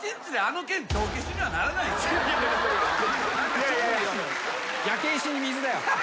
いやいやいや。